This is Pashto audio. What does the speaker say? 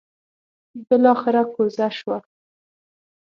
بلاخره کوزه شوه.